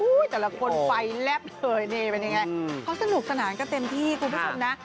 แต่ละคนไฟแลบเลยนี่เป็นยังไงเขาสนุกสนานกันเต็มที่คุณผู้ชมนะ